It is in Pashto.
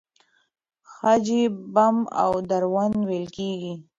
خج يې بم او دروند وېل کېږي.